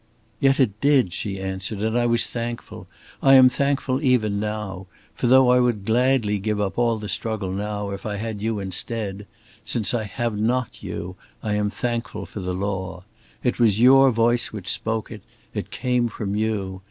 "Yet it did," she answered, "and I was thankful. I am thankful even now. For though I would gladly give up all the struggle now, if I had you instead; since I have not you, I am thankful for the law. It was your voice which spoke it, it came from you.